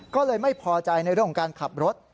ก็เลยไม่พอใจในเรื่องของการขับรถ